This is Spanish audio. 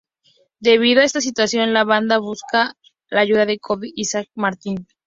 Debido a esta situación, la banda busca la ayuda de Cody y Zack Martin.